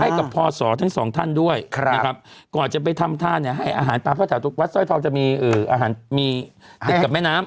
กับพศทั้งสองท่านด้วยนะครับก่อนจะไปทำท่าเนี่ยให้อาหารปลาพระแถวทุกวัดสร้อยทองจะมีอาหารมีติดกับแม่น้ำ